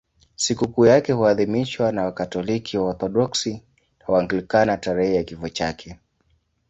Sikukuu yake huadhimishwa na Wakatoliki, Waorthodoksi na Waanglikana tarehe ya kifo chake.